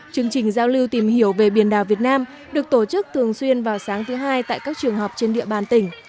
chương trình giao lưu tìm hiểu về biển đảo việt nam được tổ chức thường xuyên vào sáng thứ hai tại các trường học trên địa bàn tỉnh